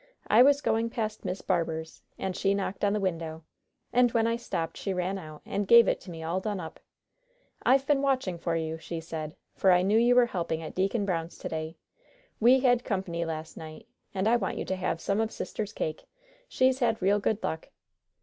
"I was going past Miss Barber's, and she knocked on the window, and when I stopped she ran out, and gave it to me all done up. 'I've been watching for you,' she said, 'for I knew you were helping at Deacon Brown's to day. We had comp'ny last night, and I want you to have some of sister's cake. She's had real good luck.'